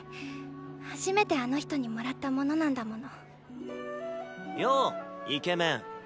初めてあの人にもらったものなんだもの。ようイケメン。